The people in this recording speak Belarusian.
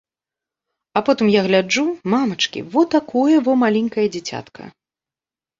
А потым я гляджу, мамачкі, во такое во маленькае дзіцятка!